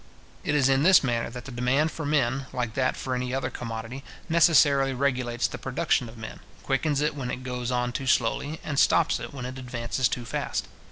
It is in this manner that the demand for men, like that for any other commodity, necessarily regulates the production of men, quickens it when it goes on too slowly, and stops it when it advances too fast.